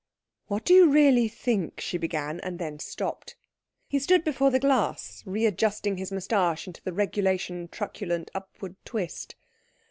"What do you really think ?" she began, and then stopped. He stood before the glass readjusting his moustache into the regulation truculent upward twist.